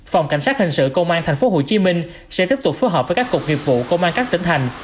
phòng cảnh sát hình sự công an tp hcm sẽ tiếp tục phối hợp với các cục nghiệp vụ công an các tỉnh thành